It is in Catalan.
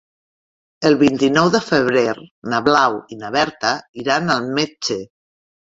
El vint-i-nou de febrer na Blau i na Berta iran al metge.